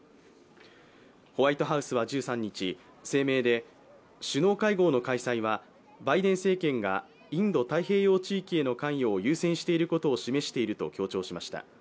ホワイトハウスは１３日、声明で、首脳会合の開催はバイデン政権がインド太平洋地域への関与を優先していることを示していると強調しました。